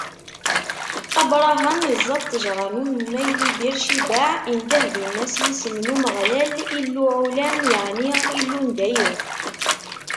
Abṛaham iẓẓa ṭṭejṛa n umemmay di Bir Cibaɛ, indeh dinna s yisem n Umeɣlal, Il Ɛulam, yeɛni Illu n dayem.